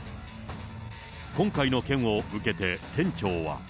今回の件を受けて、店長は。